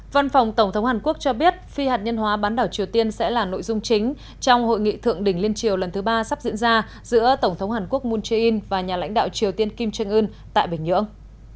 văn phòng tổng thống hàn quốc cho biết phi hạt nhân hóa bán đảo triều tiên sẽ là nội dung chính trong hội nghị thượng đỉnh liên triều lần thứ ba sắp diễn ra giữa tổng thống hàn quốc moon jae in và nhà lãnh đạo triều tiên kim jong un tại bình nhưỡng